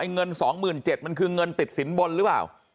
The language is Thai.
เงิน๒๗๐๐มันคือเงินติดสินบนหรือเปล่า